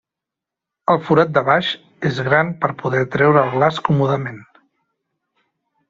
El forat de baix és gran per poder treure el glaç còmodament.